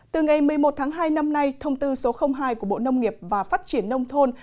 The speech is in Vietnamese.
từ ngày một mươi một tháng hai năm nay thông tư số hai của bộ nông nghiệp và phát triển nông thôn